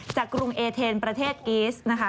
กรุงเอเทนประเทศกีสนะคะ